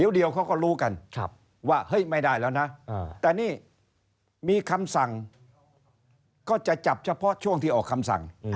เดี๋ยวเขาก็รู้กันว่าเฮ้ยไม่ได้แล้วนะแต่นี่มีคำสั่งก็จะจับเฉพาะช่วงที่ออกคำสั่ง